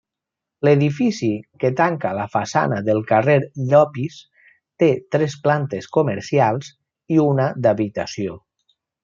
L'edifici que tanca la façana del carrer Llopis té tres plantes comercials i una d'habitació.